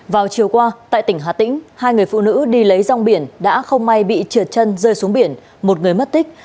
vào chiều qua tại tỉnh hà tĩnh hai người phụ nữ đi lấy rong biển đã không may bị trượt chân rơi xuống biển một người mất tích